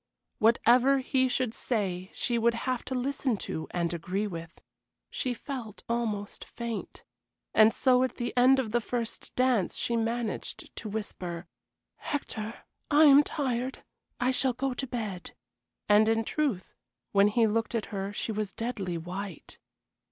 Whatever he should say she would have to listen to and agree with. She felt almost faint. And so at the end of the first dance she managed to whisper: "Hector, I am tired. I shall go to bed." And in truth when he looked at her she was deadly white.